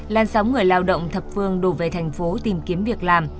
lan sóng người lao động thập phương đổ về thành phố tìm kiếm việc làm